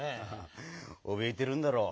おびえてるんだろう。